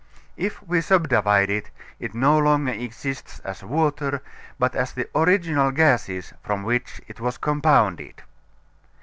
If we subdivide it, it no longer exists as water, but as the original gases from which it was compounded.